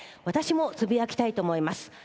私もつぶやきたいと思います。